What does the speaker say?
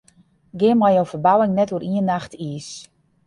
Gean mei jo ferbouwing net oer ien nacht iis.